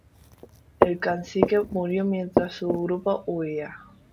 El Cacique murió mientras su grupo huía.